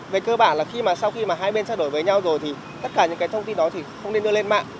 về cơ bản là sau khi hai bên xã hội với nhau rồi thì tất cả những thông tin đó không nên đưa lên mạng